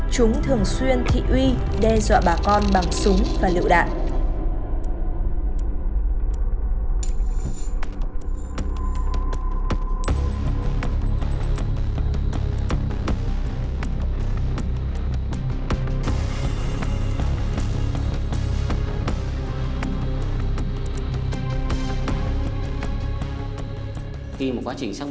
chúng thường xuyên thị uy đe dọa bà con bằng súng và lựu đạn